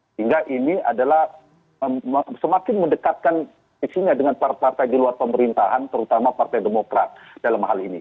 sehingga ini adalah semakin mendekatkan sisinya dengan partai partai di luar pemerintahan terutama partai demokrat dalam hal ini